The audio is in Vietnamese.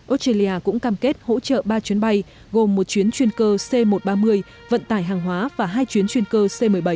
australia cũng cam kết hỗ trợ ba chuyến bay gồm một chuyến chuyên cơ c một trăm ba mươi vận tải hàng hóa và hai chuyến chuyên cơ c một mươi bảy